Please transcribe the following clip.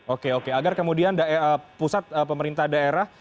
oke oke agar kemudian pusat pemerintah daerah